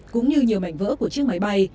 cũng như nhiều mảnh vỡ của chiếc máy bay